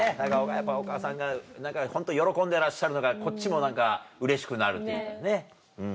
やっぱお母さんがホント喜んでらっしゃるのがこっちも何かうれしくなるというかねうん。